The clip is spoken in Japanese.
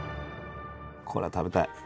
これは食べたい。